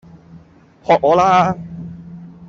學我啦